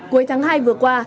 cuối tháng hai vừa qua